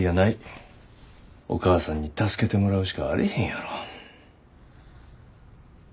お義母さんに助けてもらうしかあれへんやろ。